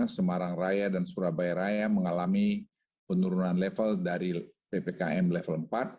semarang raya dan surabaya raya mengalami penurunan level dari ppkm level empat